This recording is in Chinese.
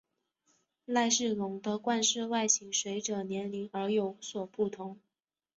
赖氏龙的冠饰外形随者年龄而有所不同。